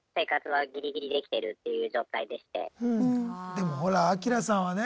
でもほらアキラさんはね